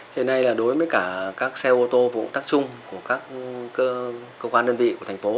hiện nay là đối với cả các xe ô tô vụ tác chung của các cơ quan đơn vị của thành phố